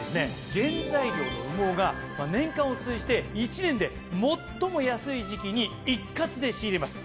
原材料の羽毛が年間を通じて１年で最も安い時期に一括で仕入れます。